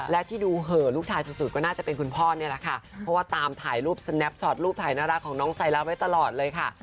และที่ดูเหอะลูกชายสุดก็น่าจะเป็นคุณพ่อนี่แหละค่ะเพราะว่าตามถ่ายรูปสแนปชอตรูปถ่ายน่ารักของน้องไซล้าไว้ตลอดเลยค่ะ